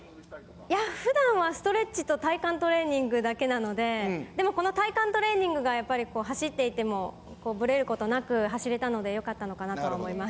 いや、ふだんはストレッチと体幹トレーニングだけなので、でもこの体幹トレーニングがやっぱり走っていても、ぶれることなく走れたので、よかったのかなと思います。